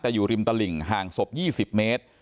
แต่อยู่ริมตลิ่งห่างศพ๒๐เมตร